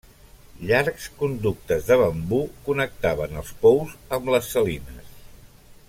Llargs conductes de bambú connectaven els pous amb les salines.